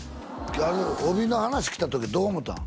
あれ帯の話来た時どう思ったん？